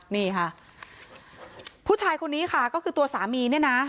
นี่ค่ะผู้ชายคนนี้ค่ะก็คือตัวสามีเนี่ยนะ